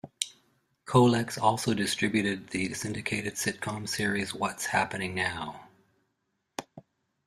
Colex also distributed the syndicated sitcom series What's Happening Now!!